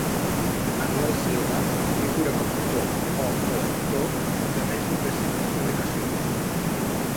Manuel Silva figura com a autor o coautor de més de tres-centes publicacions.